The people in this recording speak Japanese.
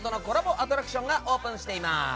アトラクションがオープンしています。